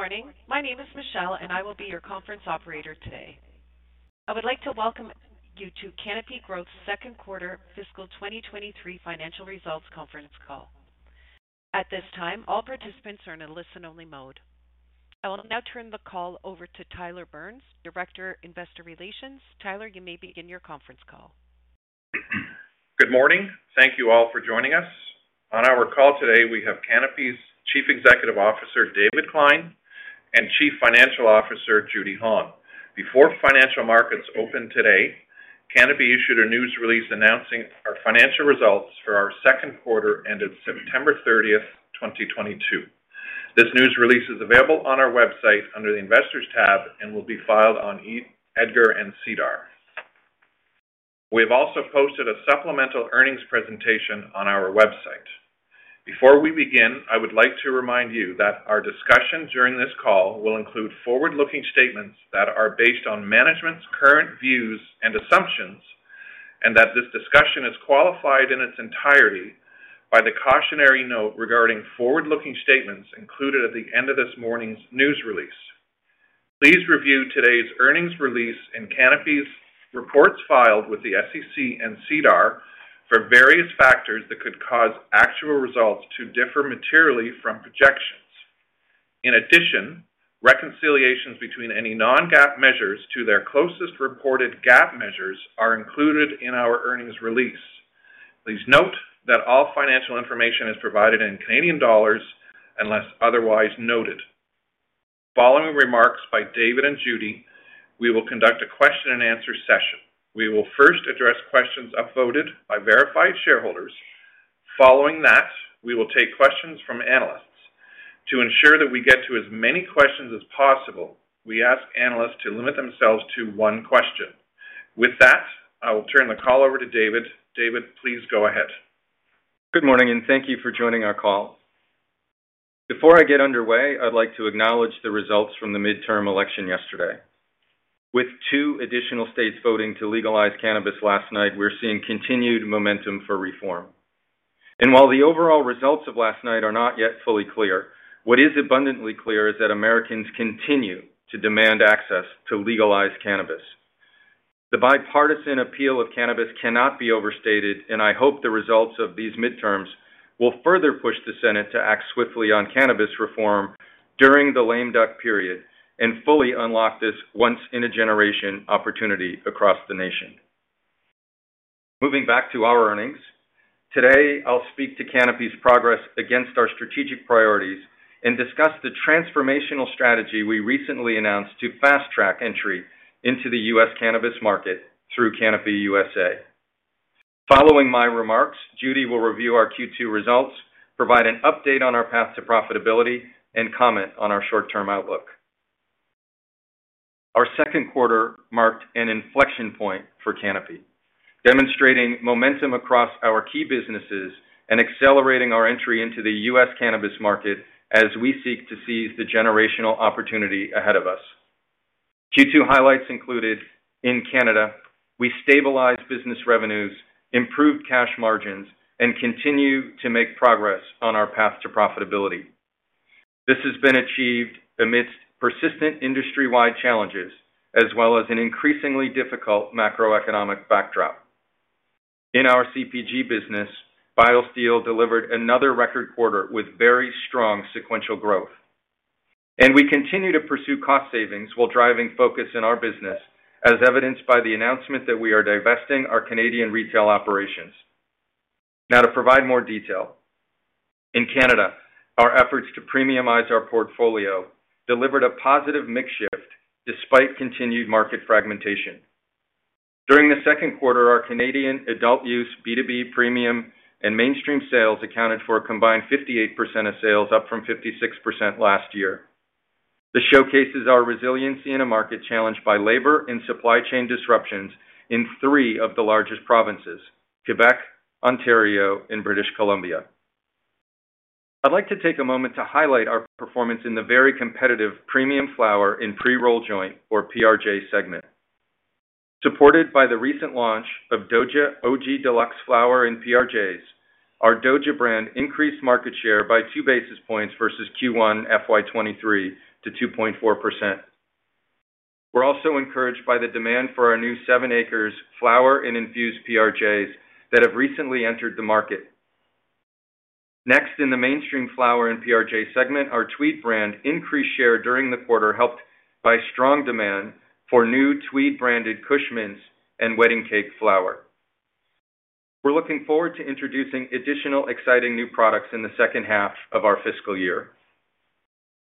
Good morning. My name is Michelle, and I will be your conference operator today. I would like to welcome you to Canopy Growth Second Quarter Fiscal 2023 Financial Results Conference Call. At this time, all participants are in a listen-only mode. I will now turn the call over to Tyler Burns, Director, Investor Relations. Tyler, you may begin your conference call. Good morning. Thank you all for joining us. On our call today, we have Canopy's Chief Executive Officer, David Klein, and Chief Financial Officer, Judy Hong. Before financial markets opened today, Canopy issued a news release announcing our financial results for our second quarter ended September 30th, 2022. This news release is available on our website under the Investors tab and will be filed on EDGAR and SEDAR. We have also posted a supplemental earnings presentation on our website. Before we begin, I would like to remind you that our discussion during this call will include forward-looking statements that are based on management's current views and assumptions, and that this discussion is qualified in its entirety by the cautionary note regarding forward-looking statements included at the end of this morning's news release. Please review today's earnings release and Canopy's reports filed with the SEC and SEDAR for various factors that could cause actual results to differ materially from projections. In addition, reconciliations between any non-GAAP measures to their closest reported GAAP measures are included in our earnings release. Please note that all financial information is provided in Canadian dollars unless otherwise noted. Following remarks by David and Judy, we will conduct a question-and-answer session. We will first address questions upvoted by verified shareholders. Following that, we will take questions from analysts. To ensure that we get to as many questions as possible, we ask analysts to limit themselves to one question. With that, I will turn the call over to David. David, please go ahead. Good morning, and thank you for joining our call. Before I get underway, I'd like to acknowledge the results from the midterm election yesterday. With two additional states voting to legalize cannabis last night, we're seeing continued momentum for reform. While the overall results of last night are not yet fully clear, what is abundantly clear is that Americans continue to demand access to legalized cannabis. The bipartisan appeal of cannabis cannot be overstated, and I hope the results of these midterms will further push the Senate to act swiftly on cannabis reform during the lame duck period and fully unlock this once in a generation opportunity across the nation. Moving back to our earnings, today, I'll speak to Canopy's progress against our strategic priorities and discuss the transformational strategy we recently announced to fast-track entry into the U.S. cannabis market through Canopy USA. Following my remarks, Judy will review our Q2 results, provide an update on our path to profitability, and comment on our short-term outlook. Our second quarter marked an inflection point for Canopy, demonstrating momentum across our key businesses and accelerating our entry into the U.S. cannabis market as we seek to seize the generational opportunity ahead of us. Q2 highlights included in Canada, we stabilized business revenues, improved cash margins, and continued to make progress on our path to profitability. This has been achieved amidst persistent industry-wide challenges, as well as an increasingly difficult macroeconomic backdrop. In our CPG business, BioSteel delivered another record quarter with very strong sequential growth. We continue to pursue cost savings while driving focus in our business, as evidenced by the announcement that we are divesting our Canadian retail operations. Now to provide more detail. In Canada, our efforts to premiumize our portfolio delivered a positive mix shift despite continued market fragmentation. During the second quarter, our Canadian adult-use B2B premium and mainstream sales accounted for a combined 58% of sales, up from 56% last year. This showcases our resiliency in a market challenged by labor and supply chain disruptions in three of the largest provinces, Quebec, Ontario, and British Columbia. I'd like to take a moment to highlight our performance in the very competitive premium flower and pre-roll joint or PRJ segment. Supported by the recent launch of Doja OG Deluxe Flower in PRJs, our Doja brand increased market share by 2 basis points versus Q1 FY 2023 to 2.4%. We're also encouraged by the demand for our new 7ACRES flower in infused PRJs that have recently entered the market. Next, in the mainstream flower in PRJ segment, our Tweed brand increased share during the quarter, helped by strong demand for new Tweed-branded Kush Mints and Wedding Cake flower. We're looking forward to introducing additional exciting new products in the second half of our fiscal year.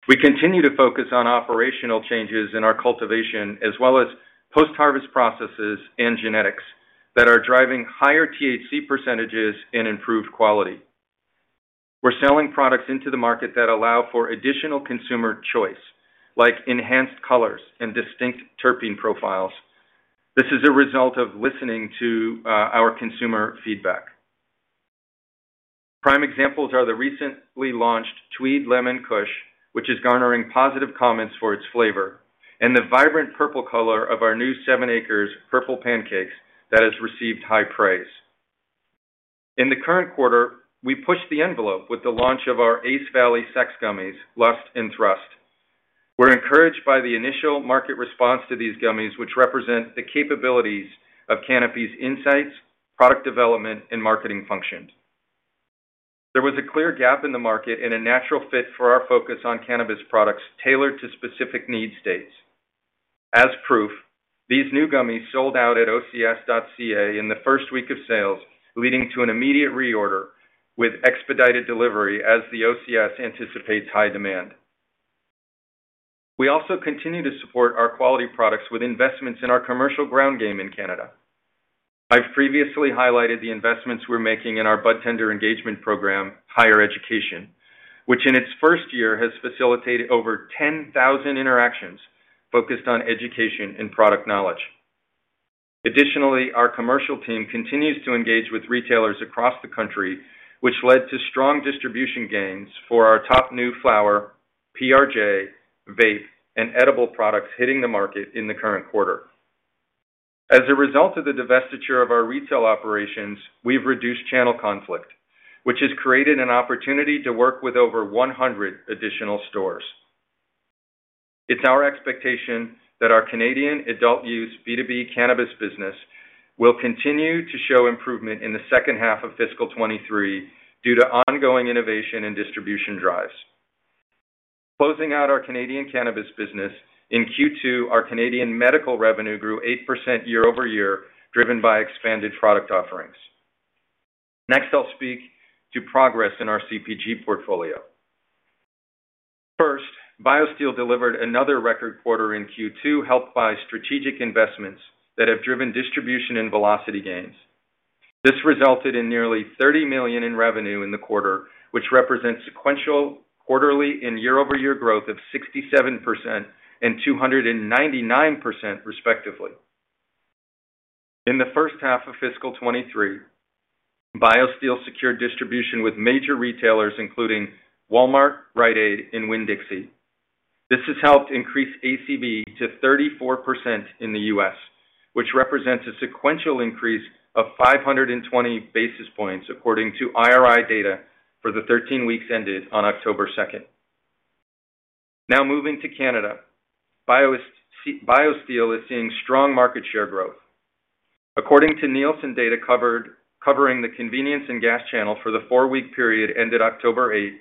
We continue to focus on operational changes in our cultivation as well as post-harvest processes and genetics that are driving higher THC percentages and improved quality. We're selling products into the market that allow for additional consumer choice, like enhanced colors and distinct terpene profiles. This is a result of listening to our consumer feedback. Prime examples are the recently launched Tweed Lemon Kush, which is garnering positive comments for its flavor, and the vibrant purple color of our new 7ACRES Purple Pancakes that has received high praise. In the current quarter, we pushed the envelope with the launch of our Ace Valley sex gummies, Lust and Thrust. We're encouraged by the initial market response to these gummies, which represent the capabilities of Canopy's insights, product development, and marketing functions. There was a clear gap in the market and a natural fit for our focus on cannabis products tailored to specific need states. As proof, these new gummies sold out at OCS.ca in the first week of sales, leading to an immediate reorder with expedited delivery as the OCS anticipates high demand. We also continue to support our quality products with investments in our commercial ground game in Canada. I've previously highlighted the investments we're making in our budtender engagement program, High'er Education, which in its first year has facilitated over 10,000 interactions focused on education and product knowledge. Additionally, our commercial team continues to engage with retailers across the country, which led to strong distribution gains for our top new flower, PRJ, vape, and edible products hitting the market in the current quarter. As a result of the divestiture of our retail operations, we've reduced channel conflict, which has created an opportunity to work with over 100 additional stores. It's our expectation that our Canadian adult-use B2B cannabis business will continue to show improvement in the second half of fiscal 2023 due to ongoing innovation and distribution drives. Closing out our Canadian cannabis business, in Q2, our Canadian medical revenue grew 8% year-over-year, driven by expanded product offerings. Next, I'll speak to progress in our CPG portfolio. First, BioSteel delivered another record quarter in Q2, helped by strategic investments that have driven distribution and velocity gains. This resulted in nearly 30 million in revenue in the quarter, which represents sequential, quarterly and year-over-year growth of 67% and 299% respectively. In the first half of fiscal 2023, BioSteel secured distribution with major retailers including Walmart, Rite Aid, and Winn-Dixie. This has helped increase ACV to 34% in the US, which represents a sequential increase of 520 basis points according to IRI data for the 13 weeks ended on October 2nd. Now moving to Canada, BioSteel is seeing strong market share growth. According to Nielsen data covering the convenience and gas channel for the four-week period ended October 8th,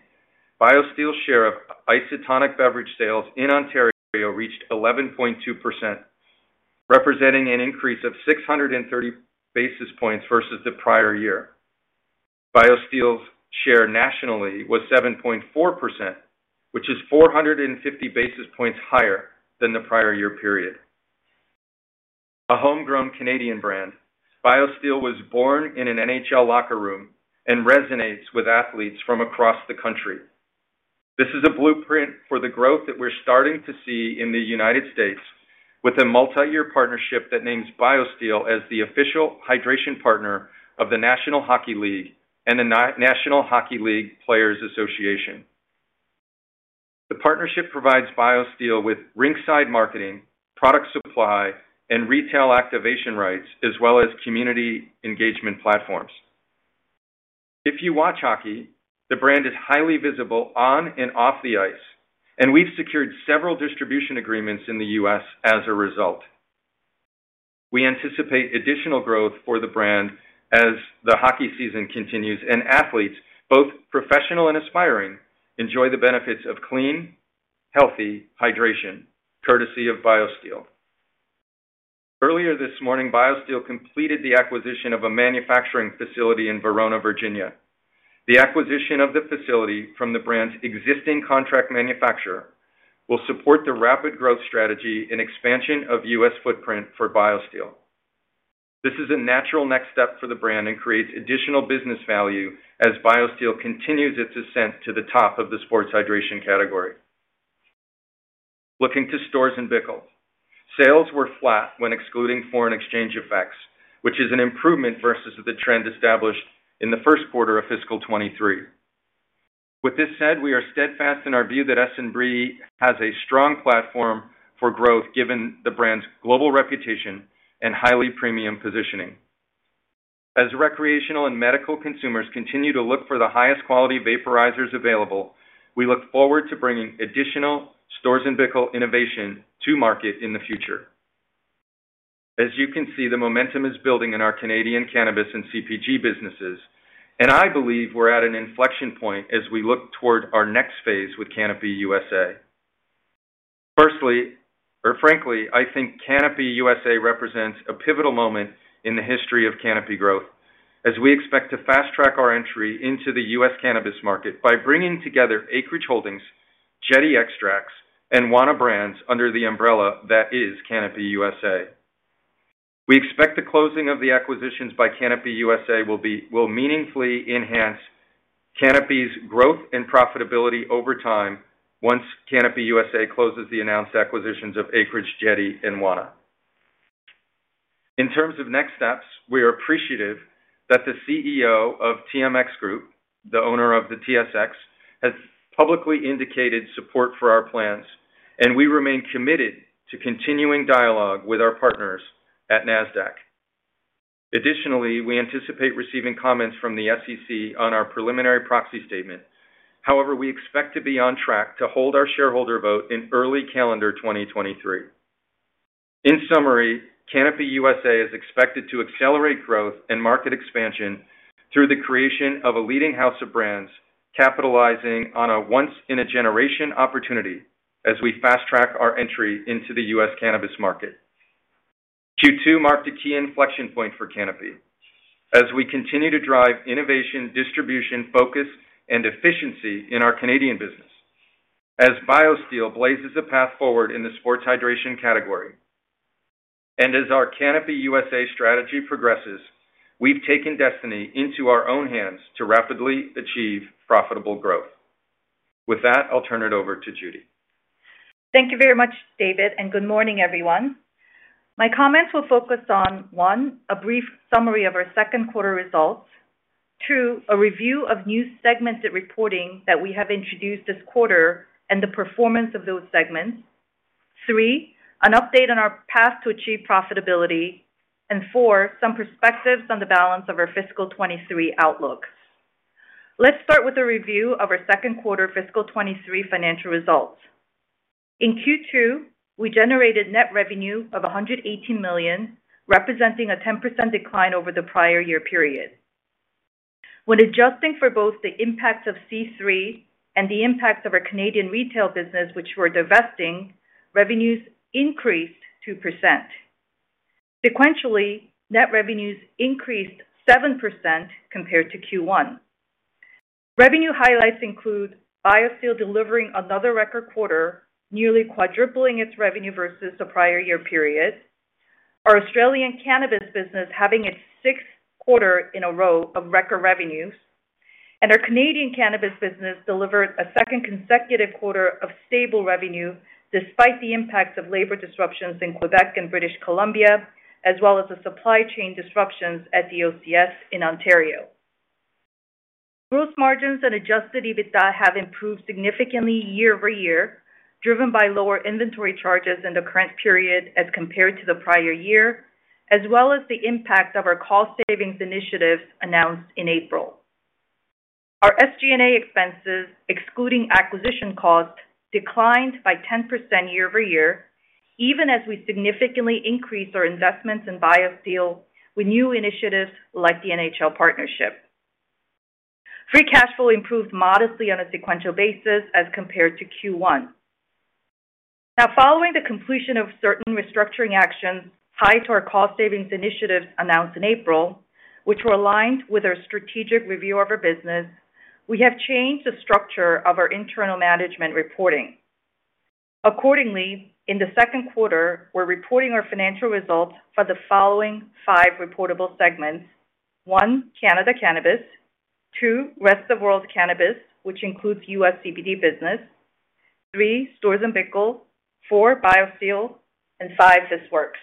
BioSteel share of isotonic beverage sales in Ontario reached 11.2%, representing an increase of 630 basis points versus the prior year. BioSteel's share nationally was 7.4%, which is 450 basis points higher than the prior year period. A homegrown Canadian brand, BioSteel was born in an NHL locker room and resonates with athletes from across the country. This is a blueprint for the growth that we're starting to see in the United States with a multi-year partnership that names BioSteel as the official hydration partner of the National Hockey League and the National Hockey League Players Association. The partnership provides BioSteel with rinkside marketing, product supply, and retail activation rights, as well as community engagement platforms. If you watch hockey, the brand is highly visible on and off the ice, and we've secured several distribution agreements in the U.S. as a result. We anticipate additional growth for the brand as the hockey season continues and athletes, both professional and aspiring, enjoy the benefits of clean, healthy hydration, courtesy of BioSteel. Earlier this morning, BioSteel completed the acquisition of a manufacturing facility in Verona, Virginia. The acquisition of the facility from the brand's existing contract manufacturer will support the rapid growth strategy and expansion of U.S. footprint for BioSteel. This is a natural next step for the brand and creates additional business value as BioSteel continues its ascent to the top of the sports hydration category. Looking to Storz & Bickel, sales were flat when excluding foreign exchange effects, which is an improvement versus the trend established in the first quarter of fiscal 2023. With this said, we are steadfast in our view that S&B has a strong platform for growth, given the brand's global reputation and highly premium positioning. As recreational and medical consumers continue to look for the highest quality vaporizers available, we look forward to bringing additional Storz & Bickel innovation to market in the future. As you can see, the momentum is building in our Canadian cannabis and CPG businesses, and I believe we're at an inflection point as we look toward our next phase with Canopy USA. Firstly or frankly, I think Canopy USA represents a pivotal moment in the history of Canopy Growth as we expect to fast-track our entry into the US cannabis market by bringing together Acreage Holdings, Jetty Extracts, and Wana Brands under the umbrella that is Canopy USA. We expect the closing of the acquisitions by Canopy USA will meaningfully enhance Canopy's growth and profitability over time once Canopy USA closes the announced acquisitions of Acreage, Jetty, and Wana. In terms of next steps, we are appreciative that the CEO of TMX Group, the owner of the TSX has publicly indicated support for our plans, and we remain committed to continuing dialogue with our partners at Nasdaq. Additionally, we anticipate receiving comments from the SEC on our preliminary proxy statement. However, we expect to be on track to hold our shareholder vote in early calendar 2023. In summary, Canopy USA is expected to accelerate growth and market expansion through the creation of a leading house of brands, capitalizing on a once-in-a-generation opportunity as we fast-track our entry into the U.S. cannabis market. Q2 marked a key inflection point for Canopy as we continue to drive innovation, distribution, focus, and efficiency in our Canadian business. As BioSteel blazes a path forward in the sports hydration category, and as our Canopy USA strategy progresses, we've taken destiny into our own hands to rapidly achieve profitable growth. With that, I'll turn it over to Judy. Thank you very much, David, and good morning, everyone. My comments will focus on one, a brief summary of our second quarter results. Two, a review of new segmented reporting that we have introduced this quarter and the performance of those segments. Three, an update on our path to achieve profitability. Four, some perspectives on the balance of our fiscal 2023 outlook. Let's start with a review of our second quarter fiscal 2023 financial results. In Q2, we generated net revenue of 118 million, representing a 10% decline over the prior year period. When adjusting for both the impacts of C3 and the impacts of our Canadian retail business, which we're divesting, revenues increased 2%. Sequentially, net revenues increased 7% compared to Q1. Revenue highlights include BioSteel delivering another record quarter, nearly quadrupling its revenue versus the prior year period. Our Australian cannabis business having its sixth quarter in a row of record revenues, and our Canadian cannabis business delivered a second consecutive quarter of stable revenue despite the impacts of labor disruptions in Quebec and British Columbia, as well as the supply chain disruptions at the OCS in Ontario. Gross margins and adjusted EBITDA have improved significantly year-over-year, driven by lower inventory charges in the current period as compared to the prior year, as well as the impact of our cost savings initiative announced in April. Our SG&A expenses, excluding acquisition costs, declined by 10% year-over-year, even as we significantly increased our investments in BioSteel with new initiatives like the NHL partnership. Free cash flow improved modestly on a sequential basis as compared to Q1. Now, following the completion of certain restructuring actions tied to our cost savings initiatives announced in April, which were aligned with our strategic review of our business, we have changed the structure of our internal management reporting. Accordingly, in the second quarter, we're reporting our financial results for the following five reportable segments. One, Canada Cannabis. Two, Rest- of-World Cannabis, which includes U.S. CBD business. Three, Storz & Bickel. Four, BioSteel. And five, This Works.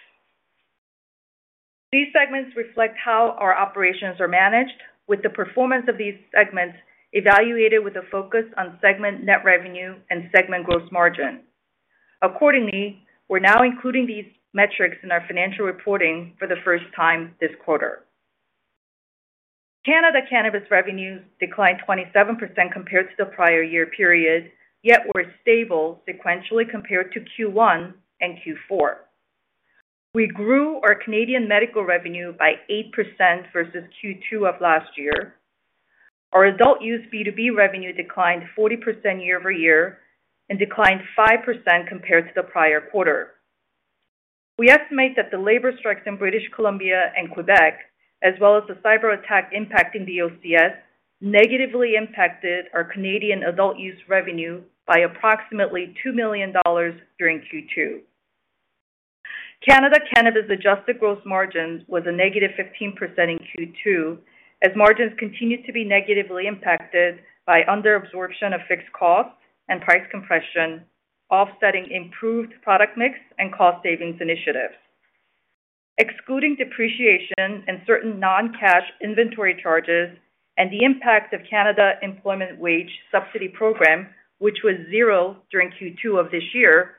These segments reflect how our operations are managed with the performance of these segments evaluated with a focus on segment net revenue and segment gross margin. Accordingly, we're now including these metrics in our financial reporting for the first time this quarter. Canada Cannabis revenues declined 27% compared to the prior year period, yet were stable sequentially compared to Q1 and Q4. We grew our Canadian medical revenue by 8% versus Q2 of last year. Our adult-use B2B revenue declined 40% year-over-year and declined 5% compared to the prior quarter. We estimate that the labor strikes in British Columbia and Quebec, as well as the cyberattack impacting the OCS, negatively impacted our Canadian adult-use revenue by approximately 2 million dollars during Q2. Canada Cannabis' adjusted gross margin was a -15% in Q2 as margins continued to be negatively impacted by under-absorption of fixed costs and price compression, offsetting improved product mix and cost-savings initiatives. Excluding depreciation and certain non-cash inventory charges and the impact of Canada Employment Wage Subsidy Program, which was zero during Q2 of this year,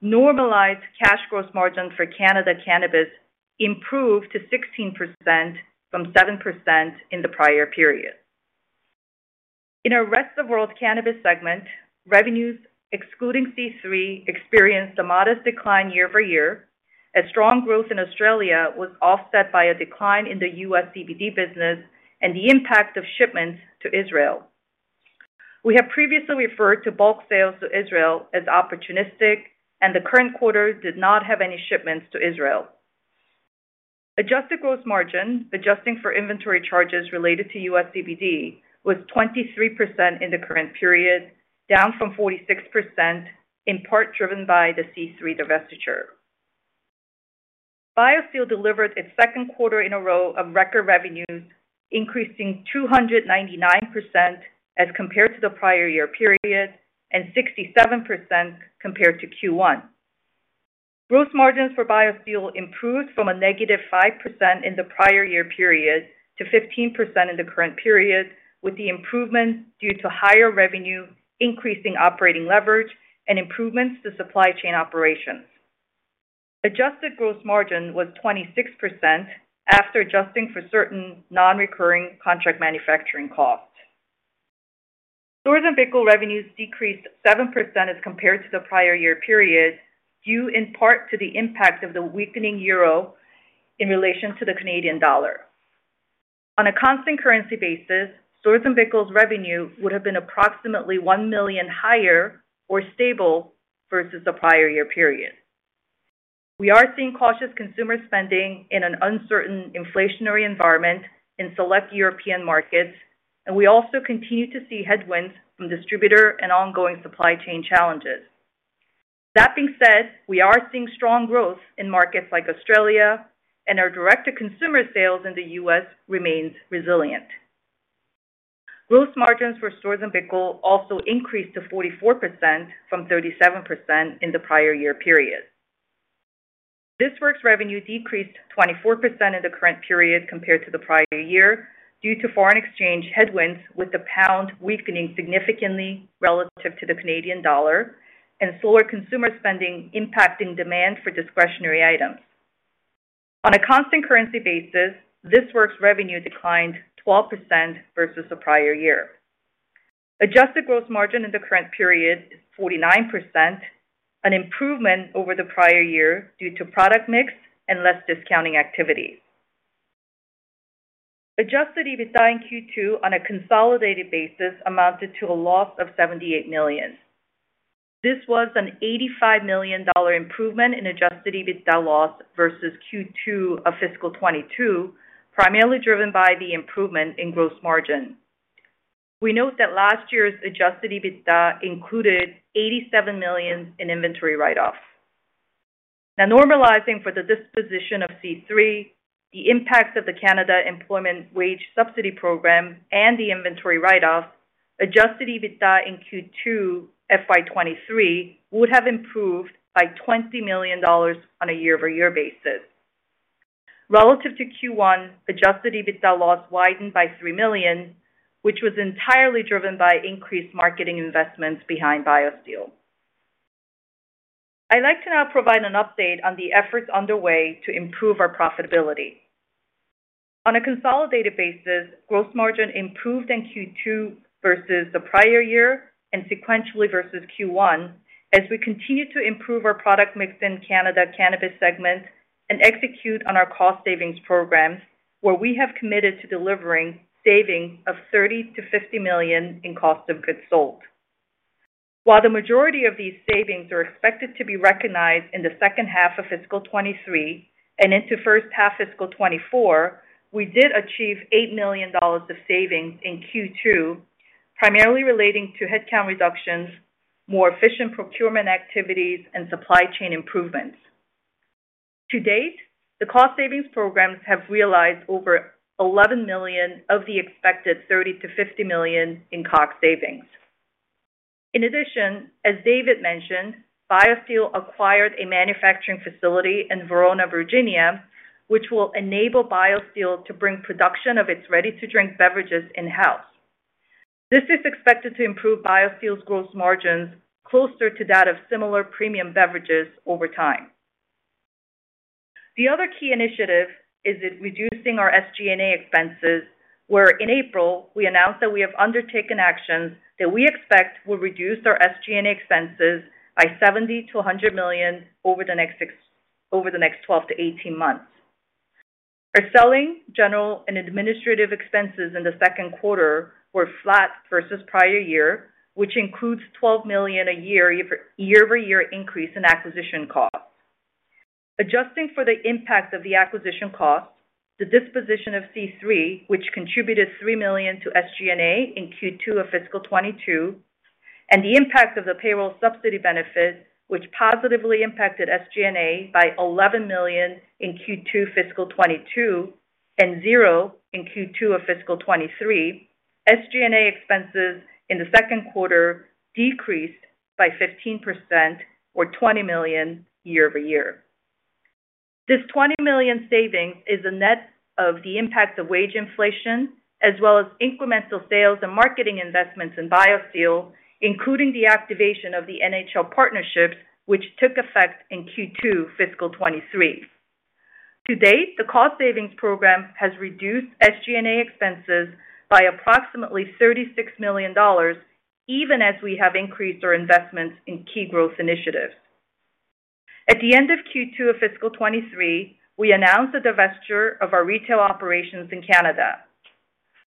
normalized cash gross margin for Canada Cannabis improved to 16% from 7% in the prior period. In our Rest-of-World Cannabis segment, revenues excluding C³ experienced a modest decline year-over-year as strong growth in Australia was offset by a decline in the U.S. CBD business and the impact of shipments to Israel. We have previously referred to bulk sales to Israel as opportunistic, and the current quarter did not have any shipments to Israel. Adjusted gross margin, adjusting for inventory charges related to U.S. CBD, was 23% in the current period, down from 46%, in part driven by the C³ divestiture. BioSteel delivered its second quarter in a row of record revenues, increasing 299% as compared to the prior year period and 67% compared to Q1. Gross margins for BioSteel improved from -5% in the prior year period to 15% in the current period, with the improvements due to higher revenue, increasing operating leverage and improvements to supply chain operations. Adjusted gross margin was 26% after adjusting for certain non-recurring contract manufacturing costs. Storz & Bickel revenues decreased 7% as compared to the prior year period, due in part to the impact of the weakening euro in relation to the Canadian dollar. On a constant currency basis, Storz & Bickel's revenue would have been approximately 1 million higher or stable versus the prior year period. We are seeing cautious consumer spending in an uncertain inflationary environment in select European markets, and we also continue to see headwinds from distributor and ongoing supply chain challenges. That being said, we are seeing strong growth in markets like Australia and our direct-to-consumer sales in the U.S. remains resilient. Gross margins for Storz & Bickel also increased to 44% from 37% in the prior year period. This Works' revenue decreased 24% in the current period compared to the prior year, due to foreign exchange headwinds, with the pound weakening significantly relative to the Canadian dollar and slower consumer spending impacting demand for discretionary items. On a constant currency basis, This Works' revenue declined 12% versus the prior year. Adjusted gross margin in the current period is 49%, an improvement over the prior year due to product mix and less discounting activity. Adjusted EBITDA in Q2 on a consolidated basis amounted to a loss of 78 million. This was a 85 million dollar improvement in adjusted EBITDA loss versus Q2 of fiscal 2022, primarily driven by the improvement in gross margin. We note that last year's adjusted EBITDA included 87 million in inventory write-offs. Now normalizing for the disposition of C³, the impact of the Canada Employment Wage Subsidy Program and the inventory write-offs, adjusted EBITDA in Q2 FY 2023 would have improved by 20 million dollars on a year-over-year basis. Relative to Q1, adjusted EBITDA loss widened by 3 million, which was entirely driven by increased marketing investments behind BioSteel. I'd like to now provide an update on the efforts underway to improve our profitability. On a consolidated basis, gross margin improved in Q2 versus the prior year and sequentially versus Q1 as we continue to improve our product mix in Canada Cannabis segment and execute on our cost savings programs where we have committed to delivering savings of 30 million-50 million in cost of goods sold. While the majority of these savings are expected to be recognized in the second half of fiscal 2023 and into first half fiscal 2024, we did achieve 8 million dollars of savings in Q2, primarily relating to headcount reductions, more efficient procurement activities and supply chain improvements. To date, the cost savings programs have realized over 11 million of the expected 30 million-50 million in COGS savings. In addition, as David mentioned, BioSteel acquired a manufacturing facility in Verona, Virginia, which will enable BioSteel to bring production of its ready-to-drink beverages in-house. This is expected to improve BioSteel's gross margins closer to that of similar premium beverages over time. The other key initiative is that reducing our SG&A expenses, where in April, we announced that we have undertaken actions that we expect will reduce our SG&A expenses by 70 million-100 million over the next 12-18 months. Our selling, general and administrative expenses in the second quarter were flat versus prior year, which includes 12 million a year-over-year increase in acquisition costs. Adjusting for the impact of the acquisition costs, the disposition of C³, which contributed 3 million to SG&A in Q2 of fiscal 2022, and the impact of the payroll subsidy benefit, which positively impacted SG&A by 11 million in Q2 fiscal 2022 and zero in Q2 of fiscal 2023, SG&A expenses in the second quarter decreased by 15% or 20 million year-over-year. This 20 million savings is a net of the impact of wage inflation as well as incremental sales and marketing investments in BioSteel, including the activation of the NHL partnerships which took effect in Q2 fiscal 2023. To date, the cost savings program has reduced SG&A expenses by approximately 36 million dollars, even as we have increased our investments in key growth initiatives. At the end of Q2 of fiscal 2023, we announced the divestiture of our retail operations in Canada.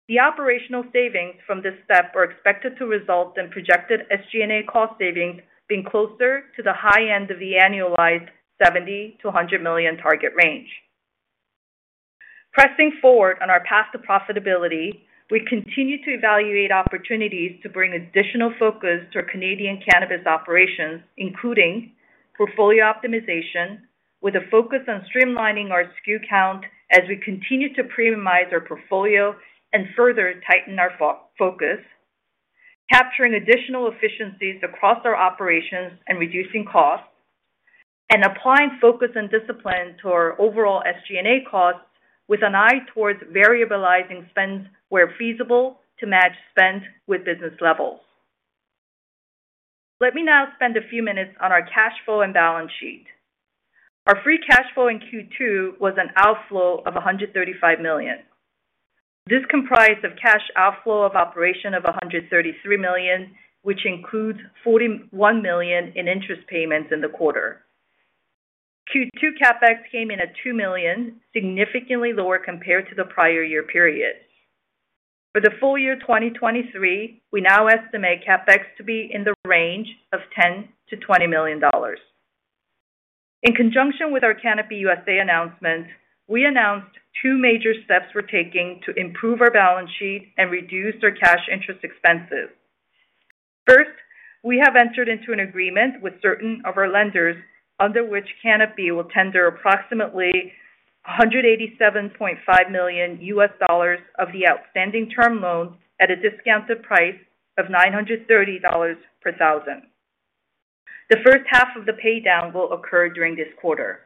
The operational savings from this step are expected to result in projected SG&A cost savings being closer to the high-end of the annualized 70 million-100 million target range. Pressing forward on our path to profitability, we continue to evaluate opportunities to bring additional focus to our Canadian cannabis operations, including portfolio optimization with a focus on streamlining our SKU count as we continue to premiumize our portfolio and further tighten our focus. Capturing additional efficiencies across our operations and reducing costs, and applying focus and discipline to our overall SG&A costs with an eye towards variabilizing spends where feasible to match spend with business levels. Let me now spend a few minutes on our cash flow and balance sheet. Our free cash flow in Q2 was an outflow of 135 million. This comprised cash outflow from operations of 133 million, which includes 41 million in interest payments in the quarter. Q2 CapEx came in at 2 million, significantly lower compared to the prior year period. For the full year 2023, we now estimate CapEx to be in the range of 10 million-20 million dollars. In conjunction with our Canopy USA announcement, we announced two major steps we're taking to improve our balance sheet and reduce our cash interest expenses. First, we have entered into an agreement with certain of our lenders under which Canopy will tender approximately $187.5 million of the outstanding term loans at a discounted price of $930 per thousand. The first half of the pay down will occur during this quarter.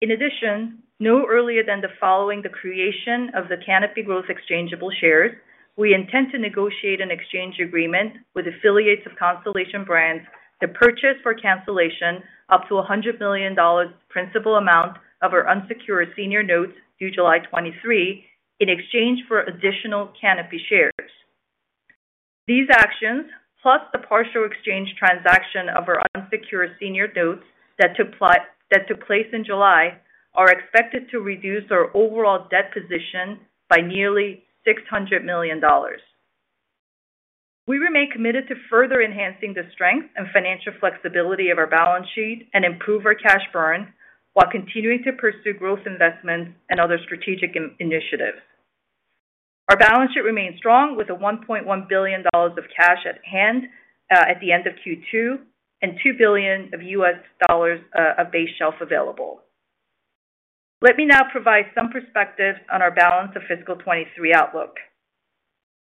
In addition, no earlier than following the creation of the Canopy Growth exchangeable shares, we intend to negotiate an exchange agreement with affiliates of Constellation Brands to purchase for cancellation up to $100 million principal amount of our unsecured senior notes due July 2023, in exchange for additional Canopy shares. These actions, plus the partial exchange transaction of our unsecured senior notes that took place in July, are expected to reduce our overall debt position by nearly $600 million. We remain committed to further enhancing the strength and financial flexibility of our balance sheet and improve our cash burn while continuing to pursue growth investments and other strategic initiatives. Our balance sheet remains strong with $1.1 billion of cash at hand at the end of Q2 and $2 billion of base shelf available. Let me now provide some perspective on our balance of fiscal 2023 outlook.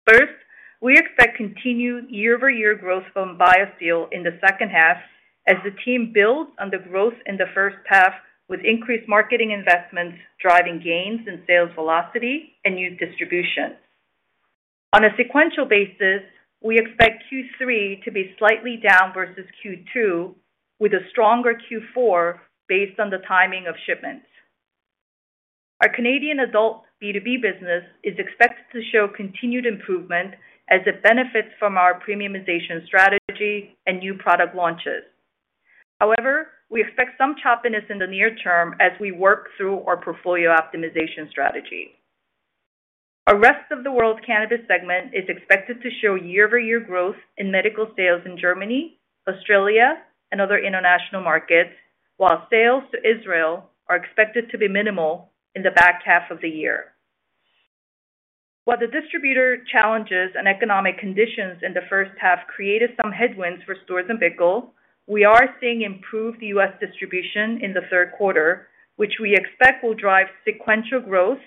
First, we expect continued year-over-year growth from BioSteel in the second half as the team builds on the growth in the first half with increased marketing investments, driving gains in sales velocity and new distribution. On a sequential basis, we expect Q3 to be slightly down versus Q2, with a stronger Q4 based on the timing of shipments. Our Canadian adult B2B business is expected to show continued improvement as it benefits from our premiumization strategy and new product launches. However, we expect some choppiness in the near-term as we work through our portfolio optimization strategy. Our Rest-of-the-World Cannabis segment is expected to show year-over-year growth in medical sales in Germany, Australia and other international markets, while sales to Israel are expected to be minimal in the back half of the year. While the distributor challenges and economic conditions in the first half created some headwinds for Storz & Bickel, we are seeing improved U.S. distribution in the third quarter, which we expect will drive sequential growth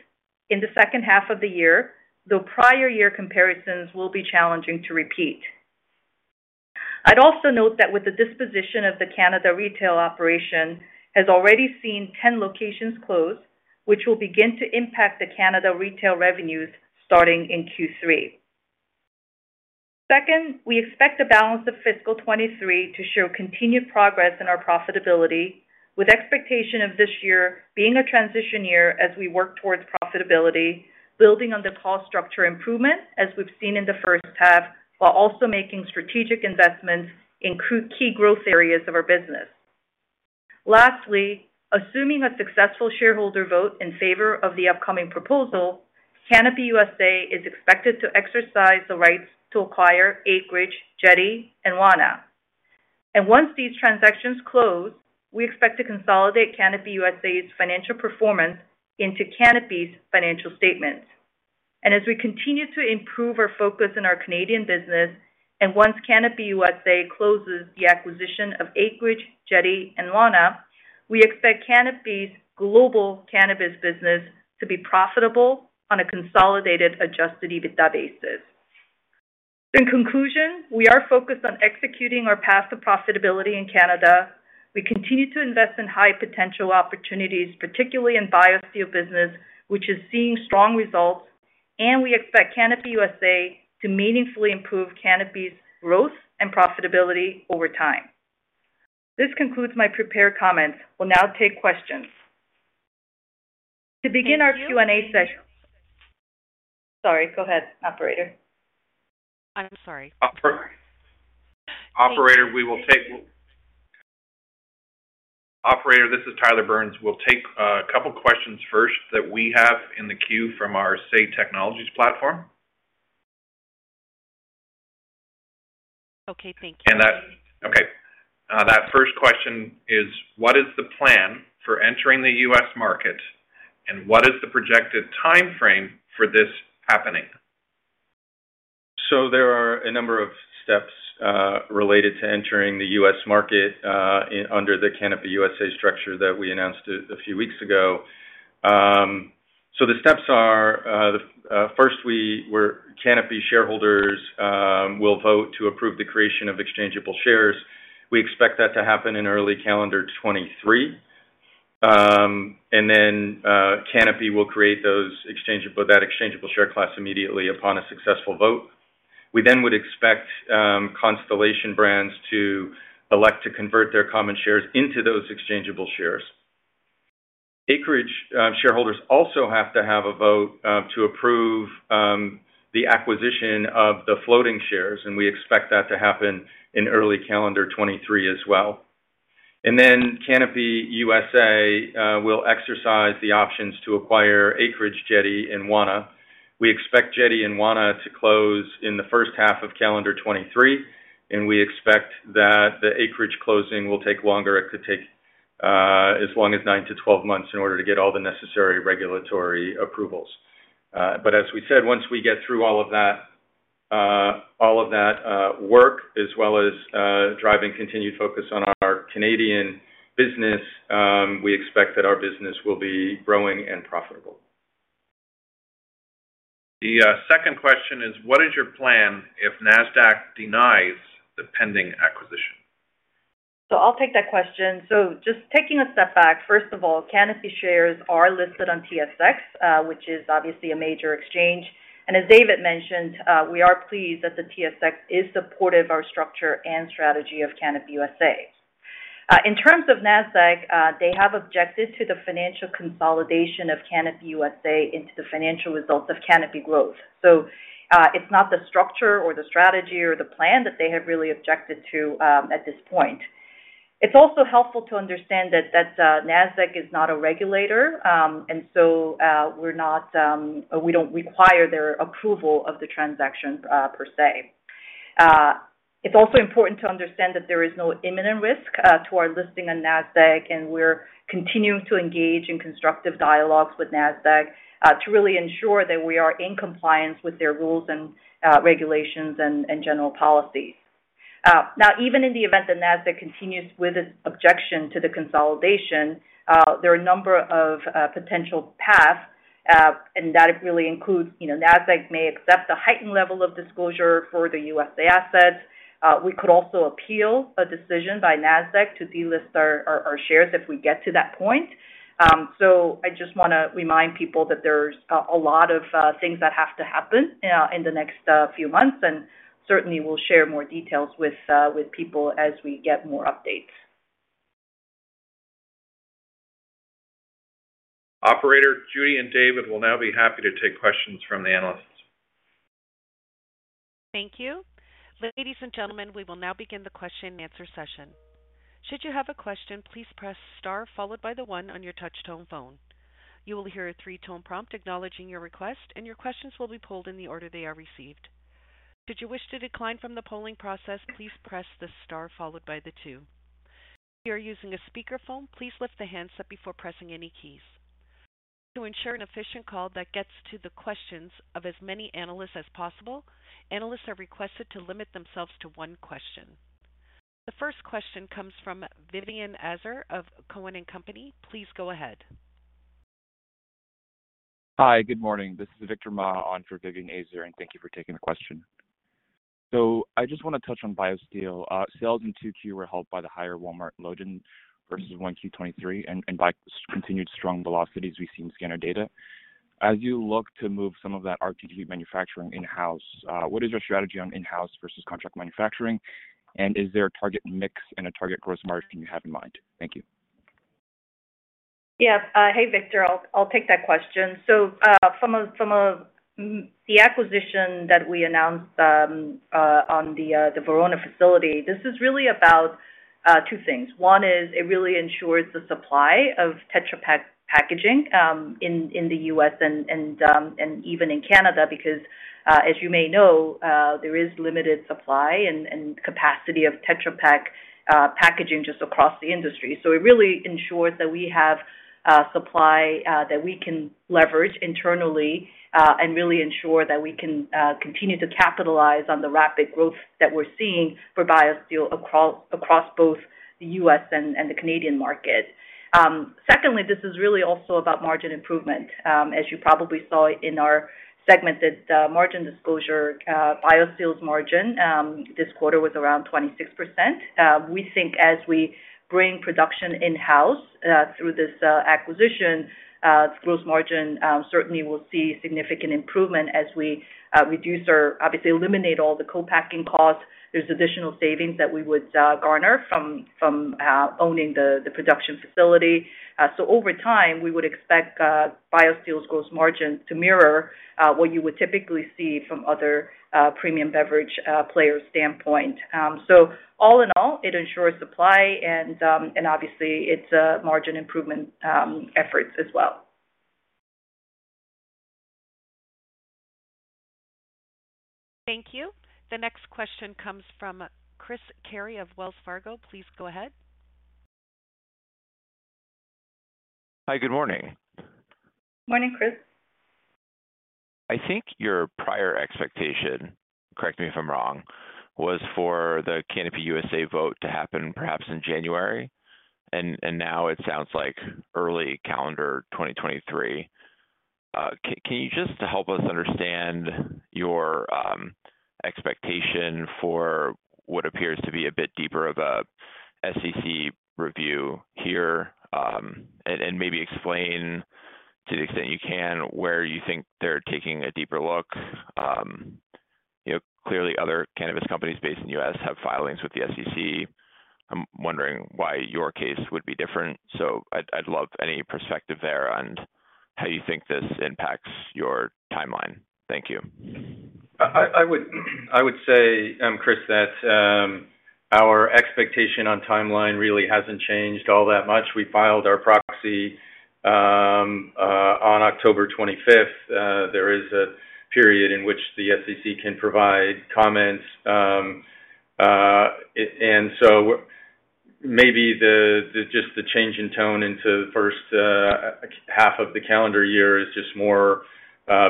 in the second half of the year, though prior year comparisons will be challenging to repeat. I'd also note that with the disposition of the Canada retail operation has already seen 10 locations close, which will begin to impact the Canada retail revenues starting in Q3. Second, we expect the balance of fiscal 2023 to show continued progress in our profitability, with expectation of this year being a transition year as we work towards profitability, building on the cost structure improvement as we've seen in the first half, while also making strategic investments in key growth areas of our business. Lastly, assuming a successful shareholder vote in favor of the upcoming proposal, Canopy USA is expected to exercise the rights to acquire Acreage, Jetty, and Wana. Once these transactions close, we expect to consolidate Canopy USA's financial performance into Canopy's financial statements. As we continue to improve our focus in our Canadian business, and once Canopy USA closes the acquisition of Acreage, Jetty, and Wana, we expect Canopy's global cannabis business to be profitable on a consolidated adjusted EBITDA basis. In conclusion, we are focused on executing our path to profitability in Canada. We continue to invest in high potential opportunities, particularly in BioSteel business, which is seeing strong results, and we expect Canopy USA to meaningfully improve Canopy's growth and profitability over time. This concludes my prepared comments. We'll now take questions. Sorry, go ahead, operator. I'm sorry. Operator, this is Tyler Burns. We'll take a couple of questions first that we have in the queue from our Say Technologies platform. Okay. Thank you. Okay, that first question is: What is the plan for entering the U.S. market, and what is the projected timeframe for this happening? There are a number of steps related to entering the U.S. market under the Canopy USA structure that we announced a few weeks ago. So the steps are, first, Canopy shareholders will vote to approve the creation of exchangeable shares. We expect that to happen in early calendar 2023. Then, Canopy will create that exchangeable share class immediately upon a successful vote. We then would expect Constellation Brands to elect to convert their common shares into those exchangeable shares. Acreage shareholders also have to have a vote to approve the acquisition of the floating shares, and we expect that to happen in early calendar 2023 as well. Canopy USA will exercise the options to acquire Acreage, Jetty and Wana. We expect Jetty and Wana to close in the first half of calendar 2023, and we expect that the Acreage closing will take longer. It could take as long as nine to 12 months in order to get all the necessary regulatory approvals. As we said, once we get through all of that work, as well as driving continued focus on our Canadian business, we expect that our business will be growing and profitable. The second question is: What is your plan if Nasdaq denies the pending acquisition? I'll take that question. Just taking a step back, first of all, Canopy shares are listed on TSX, which is obviously a major exchange. As David mentioned, we are pleased that the TSX is supportive our structure and strategy of Canopy USA. In terms of Nasdaq, they have objected to the financial consolidation of Canopy USA into the financial results of Canopy Growth. It's not the structure or the strategy or the plan that they have really objected to, at this point. It's also helpful to understand that Nasdaq is not a regulator, and we don't require their approval of the transaction, per se. It's also important to understand that there is no imminent risk to our listing on Nasdaq, and we're continuing to engage in constructive dialogues with Nasdaq to really ensure that we are in compliance with their rules and regulations and general policies. Now, even in the event that Nasdaq continues with its objection to the consolidation, there are a number of potential paths, and that really includes, you know, Nasdaq may accept a heightened level of disclosure for the USA assets. We could also appeal a decision by Nasdaq to delist our shares if we get to that point. I just wanna remind people that there's a lot of things that have to happen in the next few months. Certainly we'll share more details with people as we get more updates. Operator, Judy and David will now be happy to take questions from the analysts. Thank you. Ladies and gentlemen, we will now begin the question-and-answer session. Should you have a question, please press star followed by the one on your touch-tone phone. You will hear a three-tone prompt acknowledging your request, and your questions will be polled in the order they are received. Should you wish to decline from the polling process, please press the star followed by the two. If you are using a speakerphone, please lift the handset before pressing any keys. To ensure an efficient call that gets to the questions of as many analysts as possible, analysts are requested to limit themselves to one question. The first question comes from Vivien Azer of Cowen and Company. Please go ahead. Hi. Good morning. This is Victor Ma on for Vivien Azer, and thank you for taking the question. I just wanna touch on BioSteel. Sales in 2Q were helped by the higher Walmart load-in versus 1Q 2023 and by continued strong velocities we've seen in scanner data. As you look to move some of that RTD manufacturing in-house, what is your strategy on in-house versus contract manufacturing? And is there a target mix and a target gross margin you have in mind? Thank you. Yeah. Hey, Victor. I'll take that question. The acquisition that we announced on the Verona facility is really about two things. One is it really ensures the supply of Tetra Pak packaging in the U.S. and even in Canada, because as you may know, there is limited supply and capacity of Tetra Pak packaging just across the industry. It really ensures that we have supply that we can leverage internally and really ensure that we can continue to capitalize on the rapid growth that we're seeing for BioSteel across both the U.S. and the Canadian market. Secondly, this is really also about margin improvement. As you probably saw in our segmented margin disclosure, BioSteel's margin this quarter was around 26%. We think as we bring production in-house through this acquisition, its gross margin certainly will see significant improvement as we reduce or obviously eliminate all the co-packing costs. There's additional savings that we would garner from owning the production facility. Over time, we would expect BioSteel's gross margin to mirror what you would typically see from other premium beverage players' standpoint. All in all, it ensures supply and obviously it's margin improvement efforts as well. Thank you. The next question comes from Chris Carey of Wells Fargo. Please go ahead. Hi. Good morning. Morning, Chris. I think your prior expectation, correct me if I'm wrong, was for the Canopy USA vote to happen perhaps in January, and now it sounds like early calendar 2023. Can you just help us understand your expectation for what appears to be a bit deeper of a SEC review here, and maybe explain to the extent you can, where you think they're taking a deeper look. You know, clearly other cannabis companies based in the U.S. have filings with the SEC. I'm wondering why your case would be different. I'd love any perspective there on how you think this impacts your timeline. Thank you. I would say, Chris, that our expectation on timeline really hasn't changed all that much. We filed our proxy on October 25th. There is a period in which the SEC can provide comments. Maybe just the change in tone into the first half of the calendar year is just more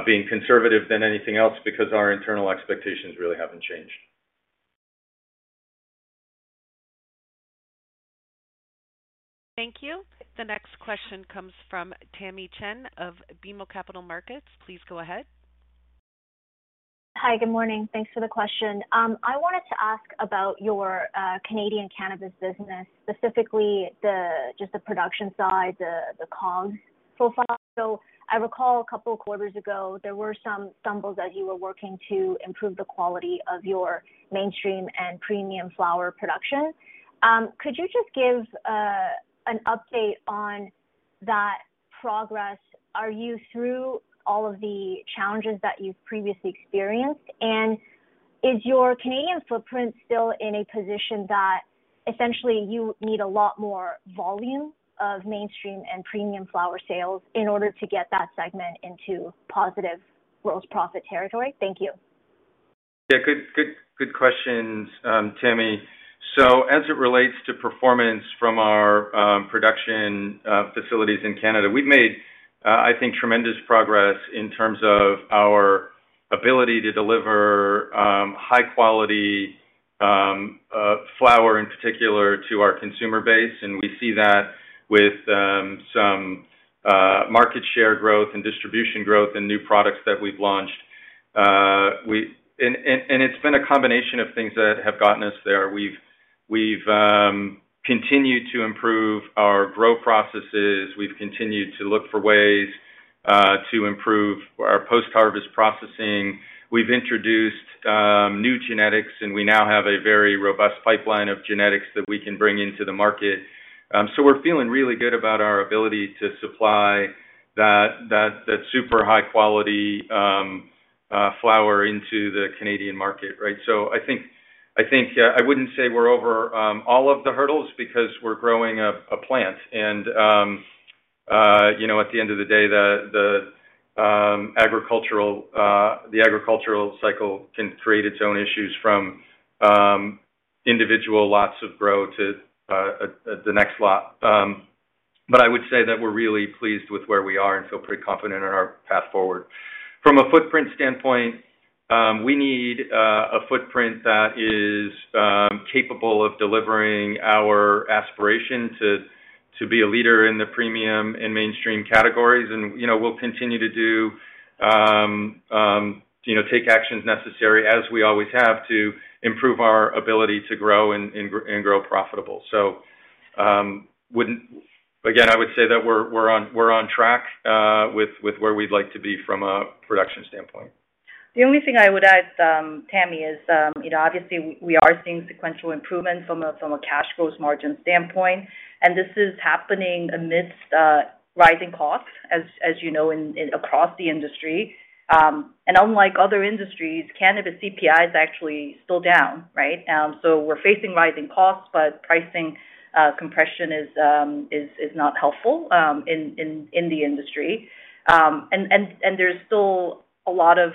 being conservative than anything else because our internal expectations really haven't changed. Thank you. The next question comes from Tamy Chen of BMO Capital Markets. Please go ahead. Hi. Good morning. Thanks for the question. I wanted to ask about your Canadian Cannabis business, specifically just the production side, the costs so far. I recall a couple of quarters ago, there were some stumbles as you were working to improve the quality of your mainstream and premium flower production. Could you just give an update on that progress? Are you through all of the challenges that you've previously experienced? Is your Canadian footprint still in a position that essentially you need a lot more volume of mainstream and premium flower sales in order to get that segment into positive gross profit territory? Thank you. Good questions, Tamy. As it relates to performance from our production facilities in Canada, we've made, I think, tremendous progress in terms of our ability to deliver high quality flower in particular to our consumer base, and we see that with some market share growth and distribution growth and new products that we've launched. It's been a combination of things that have gotten us there. We've continued to improve our grow processes. We've continued to look for ways to improve our post-harvest processing. We've introduced new genetics, and we now have a very robust pipeline of genetics that we can bring into the market. We're feeling really good about our ability to supply that super high quality flower into the Canadian market, right? I think I wouldn't say we're over all of the hurdles because we're growing a plant. You know, at the end of the day, the agricultural cycle can create its own issues from individual lots of grow to the next lot. I would say that we're really pleased with where we are and feel pretty confident in our path forward. From a footprint standpoint, we need a footprint that is capable of delivering our aspiration to be a leader in the premium and mainstream categories. You know, we'll continue to do, you know, take actions necessary as we always have to improve our ability to grow and grow profitable. Again, I would say that we're on track with where we'd like to be from a production standpoint. The only thing I would add, Tammy, is, you know, obviously we are seeing sequential improvement from a gross margin standpoint, and this is happening amidst rising costs as you know across the industry. Unlike other industries, cannabis CPI is actually still down, right? We're facing rising costs, but pricing compression is not helpful in the industry. There's still a lot of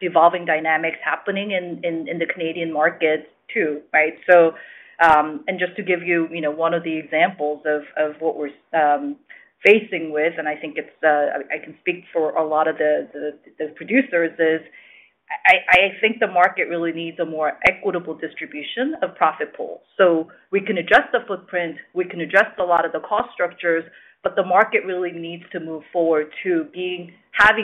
evolving dynamics happening in the Canadian market too, right? Just to give you know, one of the examples of what we're facing with, and I think the market really needs a more equitable distribution of profit pool. We can adjust the footprint, we can adjust a lot of the cost structures, but the market really needs to move forward to having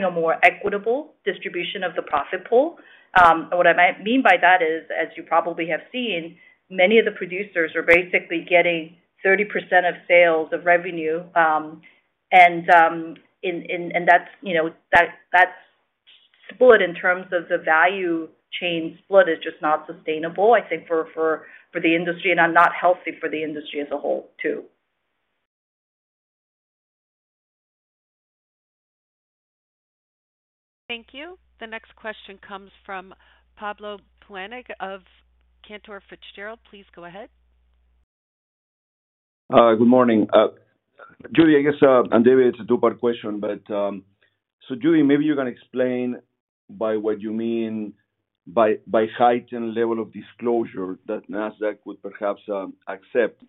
a more equitable distribution of the profit pool. What I mean by that is, as you probably have seen, many of the producers are basically getting 30% of sales of revenue, and that's, you know, that split in terms of the value chain split is just not sustainable, I think for the industry and are not healthy for the industry as a whole too. Thank you. The next question comes from Pablo Zuanic of Cantor Fitzgerald. Please go ahead. Good morning. Judy, I guess, and David, it's a two-part question. Judy, maybe you can explain by what you mean by heightened level of disclosure that Nasdaq would perhaps accept.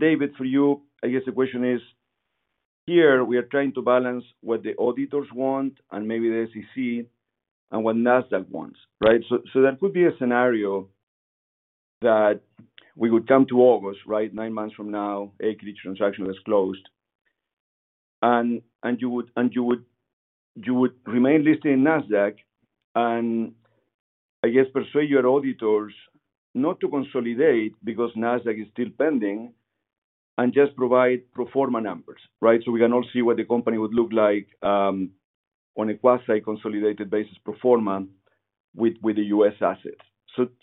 David, for you, I guess the question is, here we are trying to balance what the auditors want and maybe the SEC and what Nasdaq wants, right? There could be a scenario that we would come to August, right, nine months from now, Acreage transaction is closed. You would remain listed in Nasdaq and I guess persuade your auditors not to consolidate because Nasdaq is still pending and just provide pro forma numbers, right? We can all see what the company would look like on a quasi-consolidated basis pro forma with the U.S. assets.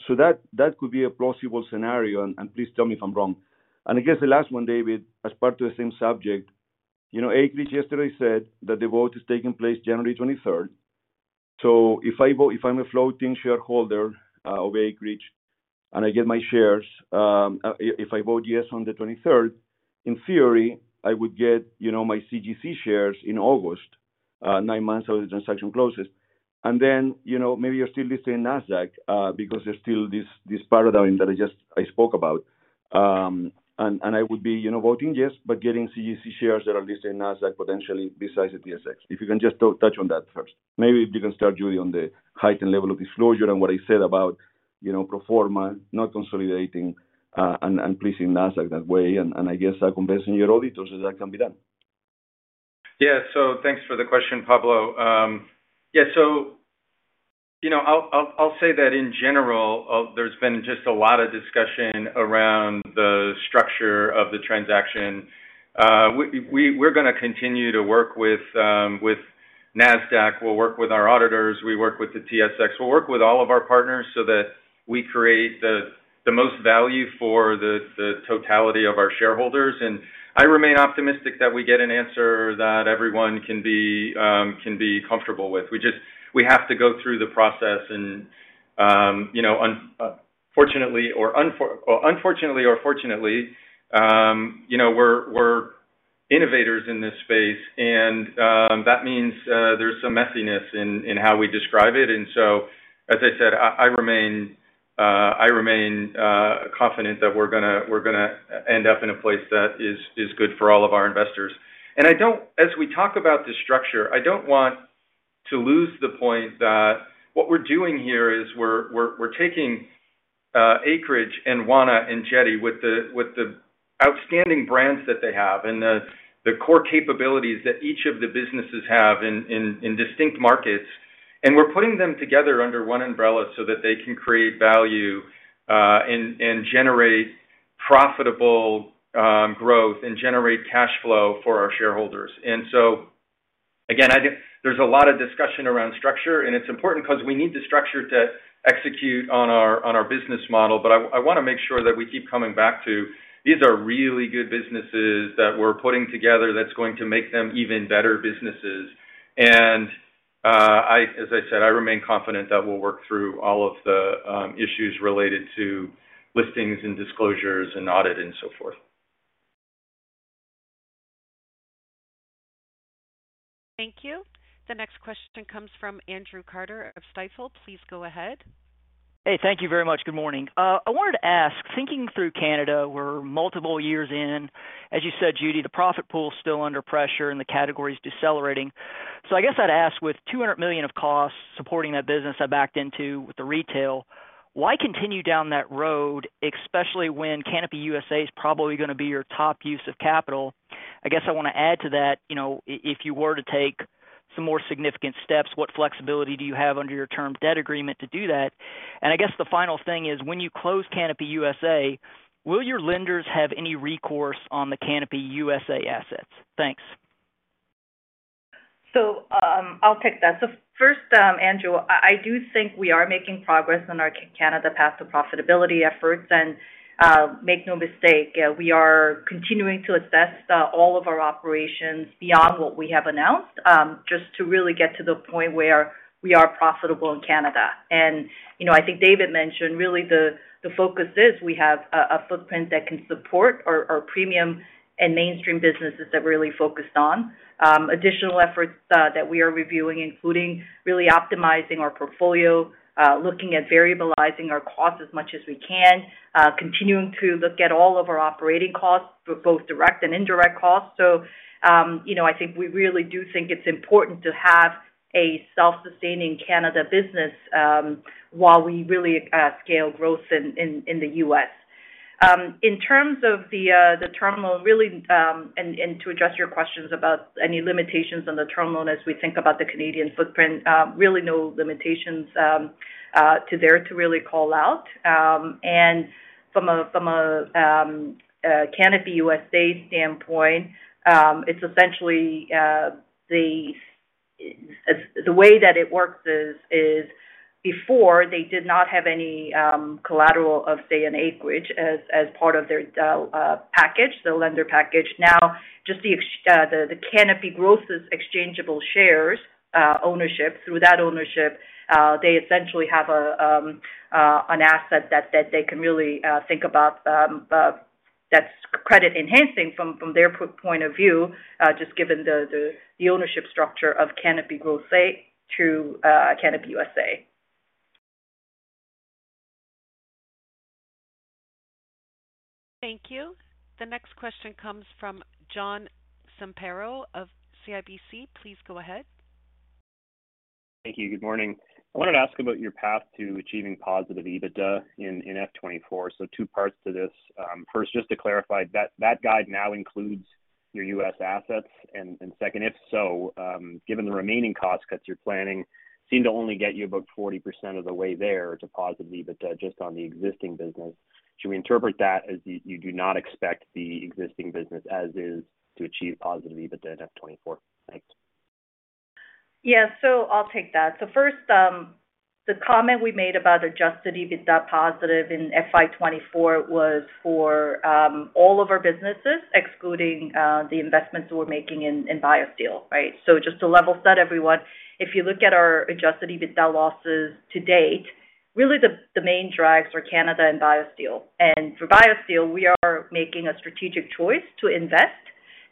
That could be a plausible scenario, and please tell me if I'm wrong. I guess the last one, David, as part to the same subject. You know, Acreage yesterday said that the vote is taking place January 23rd. If I'm a floating shareholder of Acreage and I get my shares, if I vote yes on the 23rd, in theory, I would get, you know, my CGC shares in August, nine months after the transaction closes. Then, you know, maybe you're still listed in Nasdaq, because there's still this paradigm that I just spoke about. I would be, you know, voting yes, but getting CGC shares that are listed in Nasdaq potentially besides the TSX. If you can just touch on that first. Maybe if you can start, Judy, on the heightened level of disclosure and what I said about, you know, pro forma not consolidating, and pleasing Nasdaq that way, and I guess convincing your auditors that can be done. Yeah. Thanks for the question, Pablo. You know, I'll say that in general, there's been just a lot of discussion around the structure of the transaction. We're gonna continue to work with Nasdaq. We'll work with our auditors. We work with the TSX. We'll work with all of our partners so that we create the most value for the totality of our shareholders. I remain optimistic that we get an answer that everyone can be comfortable with. We just have to go through the process and, you know, unfortunately or fortunately, you know, we're innovators in this space and that means there's some messiness in how we describe it. As I said, I remain confident that we're gonna end up in a place that is good for all of our investors. I don't want to lose the point that what we're doing here is we're taking Acreage and Wana and Jetty with the outstanding brands that they have and the core capabilities that each of the businesses have in distinct markets, and we're putting them together under one umbrella so that they can create value and generate profitable growth and generate cash flow for our shareholders. Again, I get there's a lot of discussion around structure, and it's important because we need the structure to execute on our business model. I wanna make sure that we keep coming back to these are really good businesses that we're putting together that's going to make them even better businesses. As I said, I remain confident that we'll work through all of the issues related to listings and disclosures and audit and so forth. Thank you. The next question comes from Andrew Carter of Stifel. Please go ahead. Hey, thank you very much. Good morning. I wanted to ask, thinking through Canada, we're multiple years in. As you said, Judy, the profit pool is still under pressure and the category is decelerating. I guess I'd ask, with 200 million of costs supporting that business I backed into with the retail, why continue down that road, especially when Canopy USA is probably gonna be your top use of capital? I guess I wanna add to that, you know, if you were to take some more significant steps, what flexibility do you have under your term debt agreement to do that? I guess the final thing is when you close Canopy USA, will your lenders have any recourse on the Canopy USA assets? Thanks. I'll take that. First, Andrew, I do think we are making progress on our Canada path to profitability efforts. Make no mistake, we are continuing to assess all of our operations beyond what we have announced, just to really get to the point where we are profitable in Canada. You know, I think David mentioned really the focus is we have a footprint that can support our premium and mainstream businesses that we're really focused on. Additional efforts that we are reviewing, including really optimizing our portfolio, looking at variabilizing our costs as much as we can, continuing to look at all of our operating costs, both direct and indirect costs. You know, I think we really do think it's important to have a self-sustaining Canadian business while we really scale growth in the U.S. In terms of the term loan and to address your questions about any limitations on the term loan as we think about the Canadian footprint, really no limitations to really call out. From a Canopy USA standpoint, it's essentially the way that it works is before they did not have any collateral of, say, an Acreage as part of their package, the lender package. Now, just the Canopy Growth's exchangeable shares ownership. Through that ownership, they essentially have an asset that they can really think about that's credit enhancing from their point of view, just given the ownership structure of Canopy Growth, say, through Canopy USA. Thank you. The next question comes from John Zamparo of CIBC. Please go ahead. Thank you. Good morning. I wanted to ask about your path to achieving positive EBITDA in FY 2024. Two parts to this. First, just to clarify, that guide now includes your U.S. assets? Second, if so, given the remaining cost cuts you're planning seem to only get you about 40% of the way there to positive EBITDA just on the existing business. Should we interpret that as you do not expect the existing business as is to achieve positive EBITDA in FY 2024? Thanks. Yeah. I'll take that. First, the comment we made about adjusted EBITDA positive in FY 2024 was for all of our businesses excluding the investments we're making in BioSteel, right? Just to level-set everyone, if you look at our adjusted EBITDA losses to date, really the main drags are Canada and BioSteel. For BioSteel, we are making a strategic choice to invest,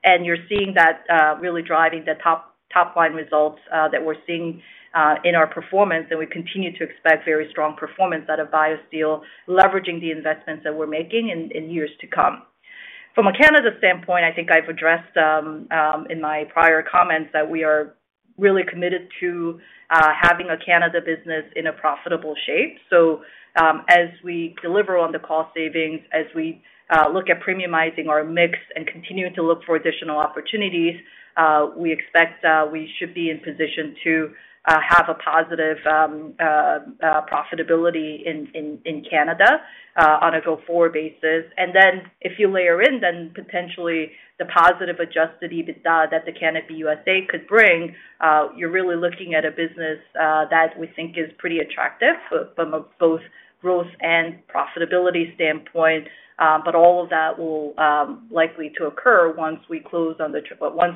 and you're seeing that really driving the top line results that we're seeing in our performance, and we continue to expect very strong performance out of BioSteel, leveraging the investments that we're making in years to come. From a Canada standpoint, I think I've addressed in my prior comments that we are really committed to having a Canada business in a profitable shape. As we deliver on the cost savings, as we look at premiumizing our mix and continuing to look for additional opportunities, we expect we should be in position to have a positive profitability in Canada on a go-forward basis. If you layer in then potentially the positive adjusted EBITDA that the Canopy USA could bring, you're really looking at a business that we think is pretty attractive from both a growth and profitability standpoint. All of that will likely to occur once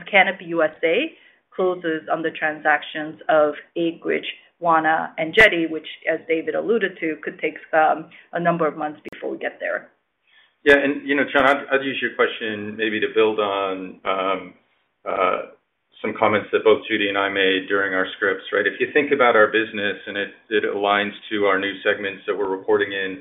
Canopy USA closes on the transactions of Acreage, Wana and Jetty, which as David alluded to, could take some number of months before we get there. You know, John, I'd use your question maybe to build on some comments that both Judy and I made during our scripts, right? If you think about our business and it aligns to our new segments that we're reporting in,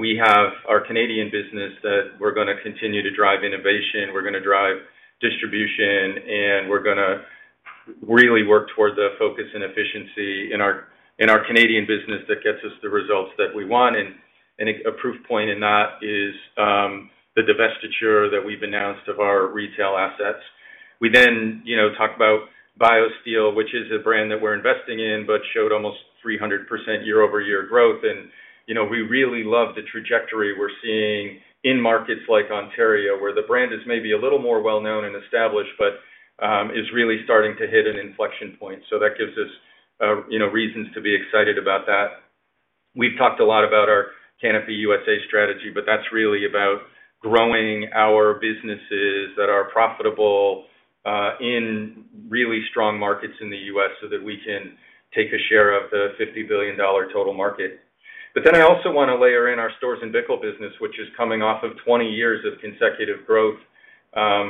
we have our Canadian business that we're gonna continue to drive innovation, we're gonna drive distribution, and we're gonna really work toward the focus and efficiency in our Canadian business that gets us the results that we want. A proof point in that is the divestiture that we've announced of our retail assets. We then talk about BioSteel, which is a brand that we're investing in, but showed almost 300% year-over-year growth. You know, we really love the trajectory we're seeing in markets like Ontario, where the brand is maybe a little more well-known and established, but is really starting to hit an inflection point. That gives us, you know, reasons to be excited about that. We've talked a lot about our Canopy USA strategy, but that's really about growing our businesses that are profitable in really strong markets in the U.S. so that we can take a share of the $50 billion total market. I also wanna layer in our Storz & Bickel business, which is coming off of 20 years of consecutive growth.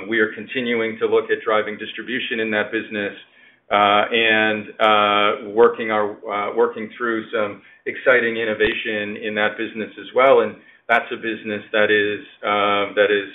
We are continuing to look at driving distribution in that business, and working through some exciting innovation in that business as well, and that's a business that is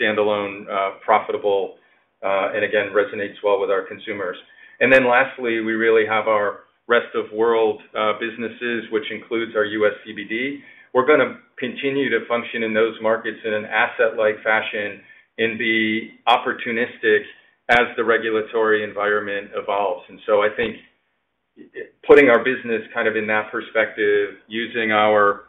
standalone, profitable, and again resonates well with our consumers. Then lastly, we really have our Rest-of-World businesses, which includes our U.S. CBD. We're gonna continue to function in those markets in an asset-light fashion and be opportunistic as the regulatory environment evolves. I think putting our business kind of in that perspective, using our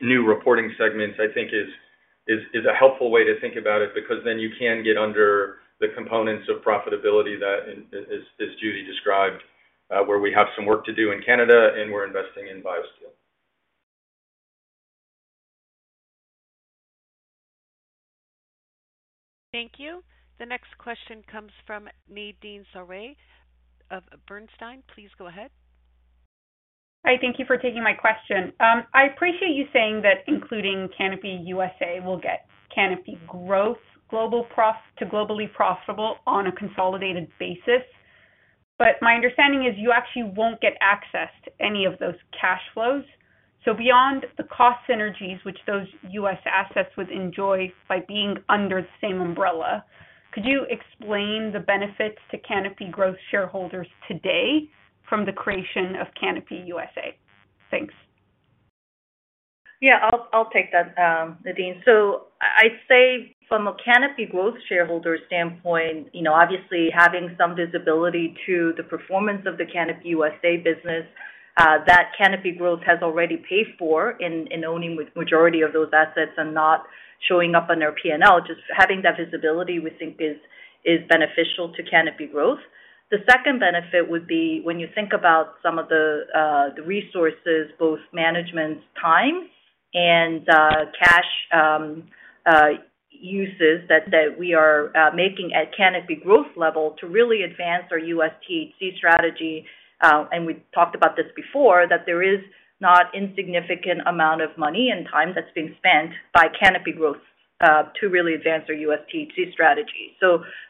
new reporting segments, I think is a helpful way to think about it because then you can get under the components of profitability that, as Judy described, where we have some work to do in Canada and we're investing in BioSteel. Thank you. The next question comes from Nadine Sarwat of Bernstein. Please go ahead. Hi. Thank you for taking my question. I appreciate you saying that including Canopy USA will get Canopy Growth to globally profitable on a consolidated basis. My understanding is you actually won't get access to any of those cash flows. Beyond the cost synergies which those U.S. assets would enjoy by being under the same umbrella, could you explain the benefits to Canopy Growth shareholders today from the creation of Canopy USA? Thanks. Yeah. I'll take that, Nadine. I'd say from a Canopy Growth shareholder standpoint, you know, obviously having some visibility to the performance of the Canopy USA business, that Canopy Growth has already paid for in owning majority of those assets and not showing up on their P&L, just having that visibility we think is beneficial to Canopy Growth. The second benefit would be when you think about some of the resources, both management's time and cash uses that we are making at Canopy Growth level to really advance our U.S. THC strategy, and we've talked about this before, that there is not insignificant amount of money and time that's being spent by Canopy Growth to really advance our U.S. THC strategy.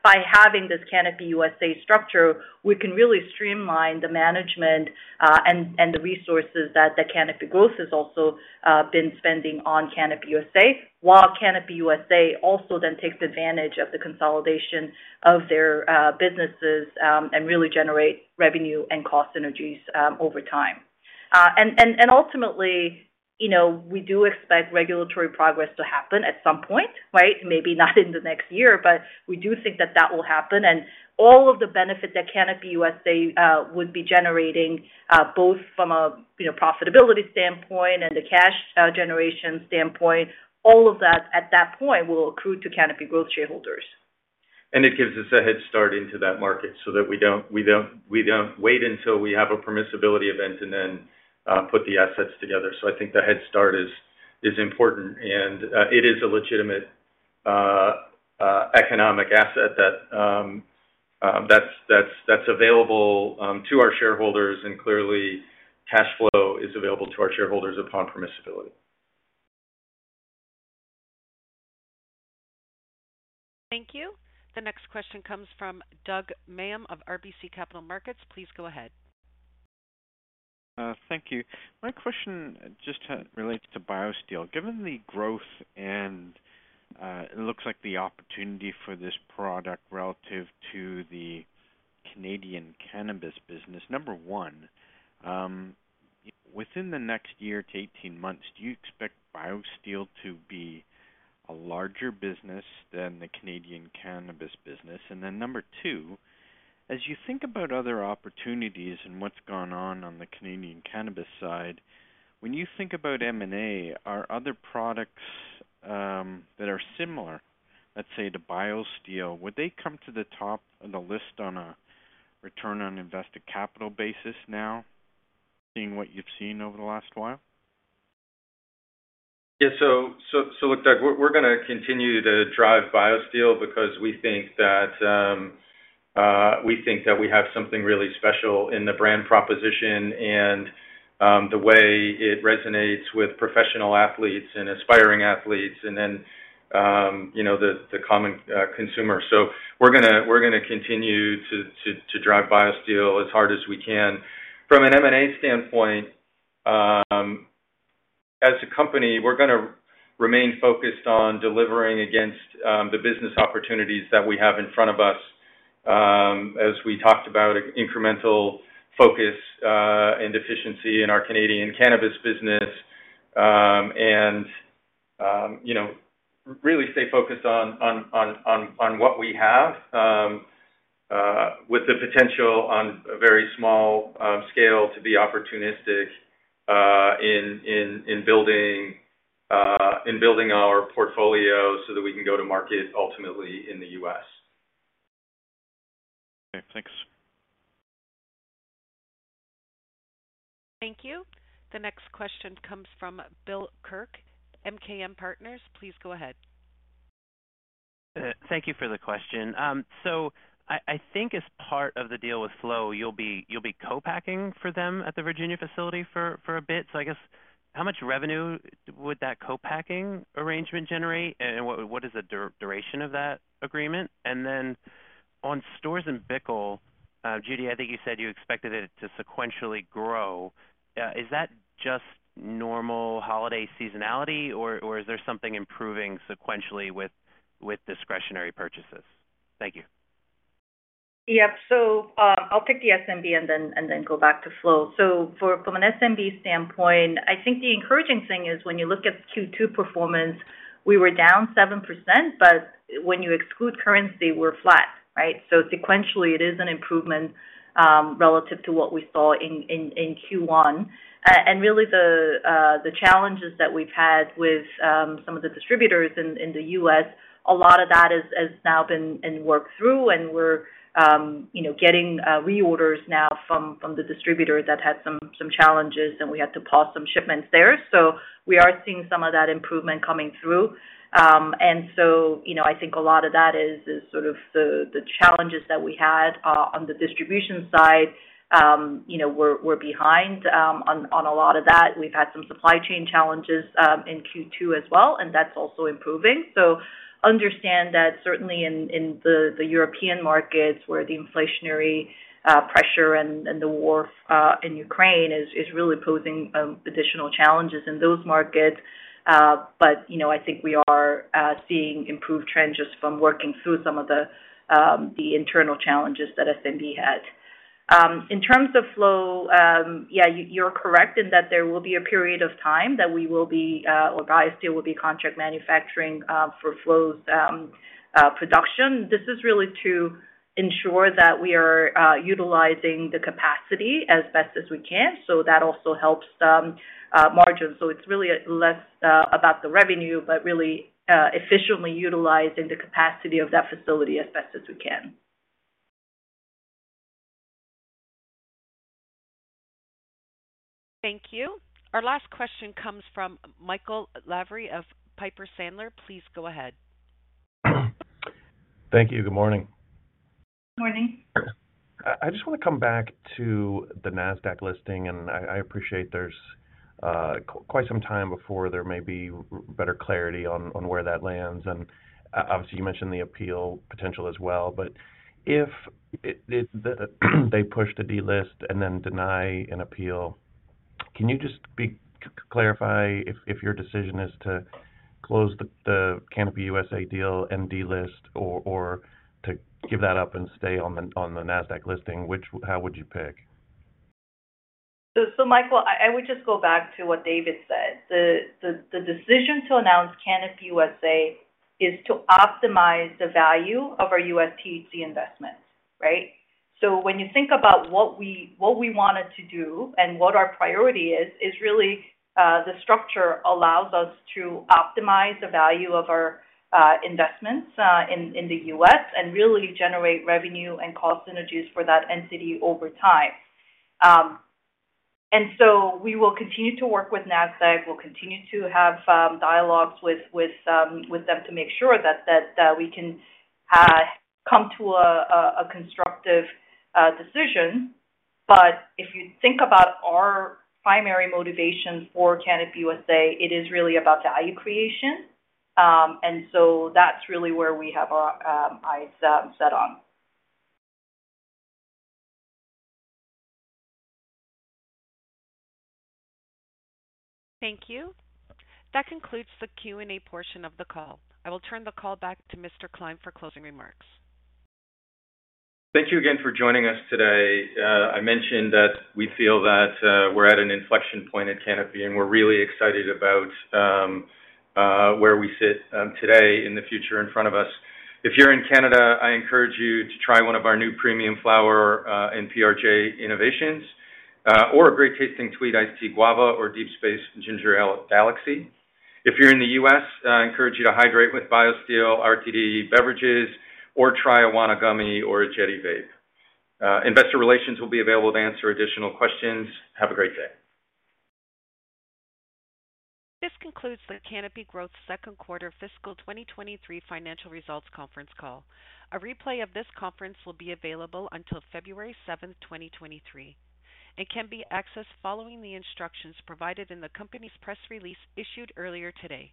By having this Canopy USA structure, we can really streamline the management, and the resources that the Canopy Growth has also been spending on Canopy USA, while Canopy USA also then takes advantage of the consolidation of their businesses, and really generate revenue and cost synergies, over time. Ultimately, you know, we do expect regulatory progress to happen at some point, right? Maybe not in the next year, but we do think that that will happen. All of the benefit that Canopy USA would be generating, both from a, you know, profitability standpoint and a cash generation standpoint, all of that at that point will accrue to Canopy Growth shareholders. It gives us a headstart into that market so that we don't wait until we have a permissibility event and then put the assets together. I think the head start is important, and it is a legitimate economic asset that's available to our shareholders, and clearly cash flow is available to our shareholders upon permissibility. Thank you. The next question comes from Douglas Miehm of RBC Capital Markets. Please go ahead. Thank you. My question just relates to BioSteel. Given the growth and it looks like the opportunity for this product relative to the Canadian cannabis business. Number one, within the next year to 18 months, do you expect BioSteel to be a larger business than the Canadian cannabis business? Number two, as you think about other opportunities and what's gone on on the Canadian cannabis side, when you think about M&A, are other products that are similar, let's say, to BioSteel, would they come to the top of the list on a return on invested capital basis now, seeing what you've seen over the last while? Yeah, look, Doug, we're gonna continue to drive BioSteel because we think that we have something really special in the brand proposition and the way it resonates with professional athletes and aspiring athletes and then you know the common consumer. We're gonna continue to drive BioSteel as hard as we can. From an M&A standpoint, as a company, we're gonna remain focused on delivering against the business opportunities that we have in front of us. As we talked about, incremental focus and efficiency in our Canadian cannabis business, and you know, really stay focused on what we have, with the potential on a very small scale to be opportunistic in building our portfolio so that we can go to market ultimately in the U.S. Okay, thanks. Thank you. The next question comes from Bill Kirk, MKM Partners. Please go ahead. Thank you for the question. I think as part of the deal with Flow, you'll be co-packing for them at the Virginia facility for a bit. I guess how much revenue would that co-packing arrangement generate, and what is the duration of that agreement? On Storz & Bickel, Judy, I think you said you expected it to sequentially grow. Is that just normal holiday seasonality, or is there something improving sequentially with discretionary purchases? Thank you. Yeah. I'll take the S&B and then go back to Flow. From an S&B standpoint, I think the encouraging thing is when you look at Q2 performance, we were down 7%, but when you exclude currency, we're flat, right? Sequentially, it is an improvement relative to what we saw in Q1. Really the challenges that we've had with some of the distributors in the U.S., a lot of that has now been worked through and we're you know, getting reorders now from the distributors that had some challenges, and we had to pause some shipments there. We are seeing some of that improvement coming through. You know, I think a lot of that is sort of the challenges that we had on the distribution side. You know, we're behind on a lot of that. We've had some supply chain challenges in Q2 as well, and that's also improving. Understand that certainly in the European markets where the inflationary pressure and the war in Ukraine is really posing additional challenges in those markets. You know, I think we are seeing improved trends just from working through some of the internal challenges that S&B had. In terms of Flow, yeah, you're correct in that there will be a period of time that we will be or BioSteel will be contract manufacturing for Flow's production. This is really to ensure that we are utilizing the capacity as best as we can, so that also helps margin. It's really less about the revenue, but really efficiently utilizing the capacity of that facility as best as we can. Thank you. Our last question comes from Michael Lavery of Piper Sandler. Please go ahead. Thank you. Good morning. Morning. I just wanna come back to the Nasdaq listing. I appreciate there's quite some time before there may be better clarity on where that lands. Obviously, you mentioned the appeal potential as well. If they push the delist and then deny an appeal, can you just clarify if your decision is to close the Canopy USA deal and delist or to give that up and stay on the Nasdaq listing, how would you pick? Michael, I would just go back to what David said. The decision to announce Canopy USA is to optimize the value of our U.S. THC investments, right? When you think about what we wanted to do and what our priority is, really the structure allows us to optimize the value of our investments in the U.S. and really generate revenue and cost synergies for that entity over time. We will continue to work with Nasdaq. We'll continue to have dialogues with them to make sure that we can come to a constructive decision. If you think about our primary motivation for Canopy USA, it is really about value creation. That's really where we have our eyes set on. Thank you. That concludes the Q&A portion of the call. I will turn the call back to Mr. Klein for closing remarks. Thank you again for joining us today. I mentioned that we feel that we're at an inflection point at Canopy, and we're really excited about where we sit today in the future in front of us. If you're in Canada, I encourage you to try one of our new premium flower and PRJ innovations, or a great-tasting Tweed Iced Tea Guava or Deep Space Ginger Galaxy. If you're in the U.S., I encourage you to hydrate with BioSteel RTD beverages or try a Wana gummy or a Jetty vape. Investor relations will be available to answer additional questions. Have a great day. This concludes the Canopy Growth Second Quarter Fiscal 2023 Financial Results Conference Call. A replay of this conference will be available until February 7th, 2023, and can be accessed following the instructions provided in the company's press release issued earlier today.